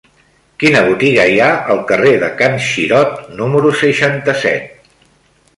Quina botiga hi ha al carrer de Can Xirot número seixanta-set?